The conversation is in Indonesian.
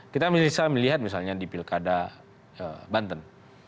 kita bisa melihat misalnya di pilkada banten